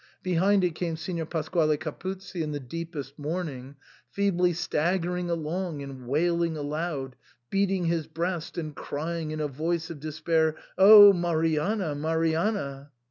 Behind it came Signor Pasquale Capuzzi in the deepest mourning, feebly staggering along and wailing aloud, beating his breast, and crying in a voice of despair, "O Marianna! Marianna